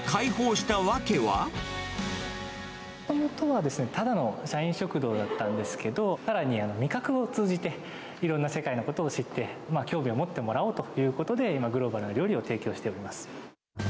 もともとはですね、ただの社員食堂だったんですけど、さらに味覚を通じて、いろんな世界のことを知って、興味を持ってもらおうということで、今、グローバルな料理を提供しております。